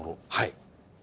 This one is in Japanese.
はい。